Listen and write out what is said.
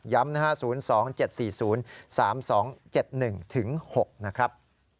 ย้ำนะฮะ๐๒๗๔๐๓๒๗๑๖นะครับ